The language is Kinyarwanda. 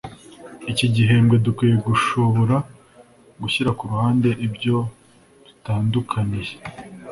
iki gihembwe, dukwiye gushobora gushyira kuruhande ibyo dutandukaniye